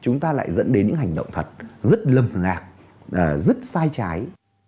nó lại dẫn đến những hành động thật rất lầm lạc rất sai trái